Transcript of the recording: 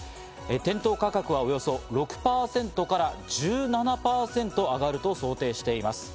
店頭価格はおよそ６％から１７％上がると想定しています。